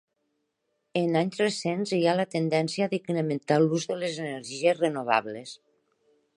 En anys recents hi ha la tendència d'incrementar l'ús de les energies renovables.